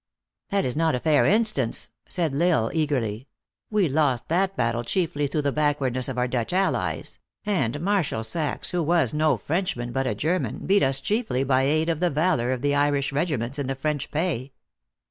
"That is not a fair instance," said L Isle eagerly. " We lost that battle chiefly through the backward ness of our Dutch allies ; and Marshal Saxe, who was no Frenchman, but a German, beat us chiefly by aid of the valor of the Irish regiments in the French pay."